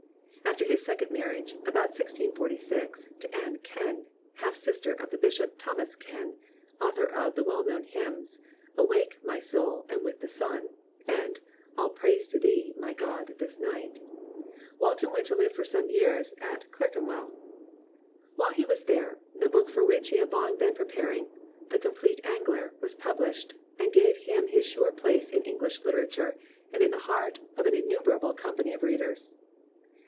After his second marriage, about 1646, to Anne Ken, half sister of Bishop Thomas Ken, (author of the well known hymns, "Awake, my soul, and with the sun," and "All praise to Thee, my God, this night,") Walton went to live for some years at 296 A QUAINT COMRADE Clerkenwell. While he was there, the book for which he had been long preparing, The Compleat Angler^ was published, and gave him his sure place in English literature and in the heart of an innu merable company of readers.